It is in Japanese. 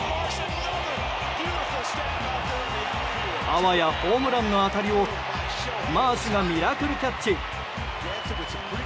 あわやホームランの当たりをマーシュがミラクルキャッチ。